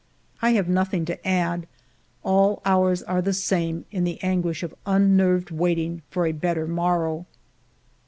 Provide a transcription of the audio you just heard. I have nothing to add ; all hours are the same, in the anguish of unnerved waiting for a better morrow.